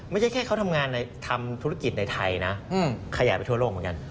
ไม่ใช่แค่เขาทำงานทำธุรกิจในไทยนะขยายไปทั่วโลกเหมือนกัน